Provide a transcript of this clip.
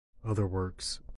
Other works